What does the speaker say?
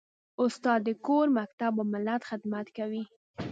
استاد د کور، مکتب او ملت خدمت کوي.